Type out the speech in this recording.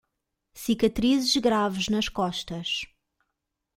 Cicatrizes graves nas costas